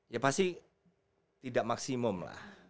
ya pasti tidak maksimum lah